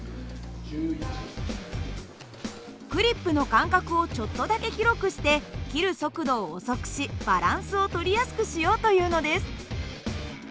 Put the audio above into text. クリップの間隔をちょっとだけ広くして切る速度を遅くしバランスを取りやすくしようというのです。